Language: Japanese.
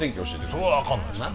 それは分かんないですね。